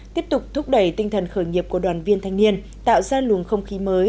tiếp tục thúc đẩy tinh thần khởi nghiệp của đoàn viên thanh niên tạo ra luồng không khí mới